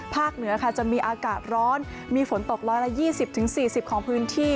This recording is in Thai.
ภาคเหนือจะมีอากาศร้อนมีฝนตกร้อนละ๒๐๔๐ของพื้นที่